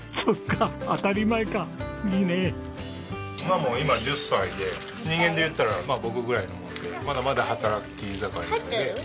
馬も今１０歳で人間で言ったら僕ぐらいなのでまだまだ働き盛りなので。